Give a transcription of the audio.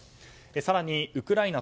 更に、ウクライナ